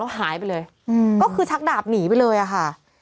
หายไปเลยก็คือชักดาบหนีไปเลยอะค่ะ